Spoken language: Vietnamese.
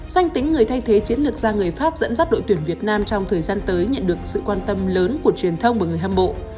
danh tính người thay thế chiến lược gia người pháp dẫn dắt đội tuyển việt nam trong thời gian tới nhận được sự quan tâm lớn của truyền thông và người hâm mộ